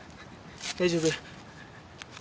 大丈夫？